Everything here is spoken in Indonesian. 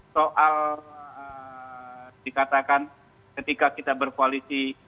soal dikatakan ketika kita berkoalisi